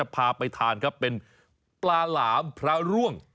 พาไปทานครับเป็นปลาหลามพระร่วง